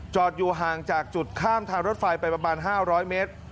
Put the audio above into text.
อยู่ห่างจากจุดข้ามทางรถไฟไปประมาณ๕๐๐เมตร